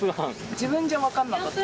自分じゃ分かんなかった。